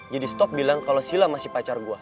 jadi stop bilang kalo silah masih pacar gue